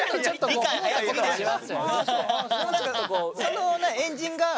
理解早すぎでしょ。